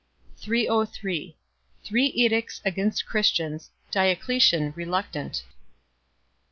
303 Three edicts against Christians, Diocletian reluctant.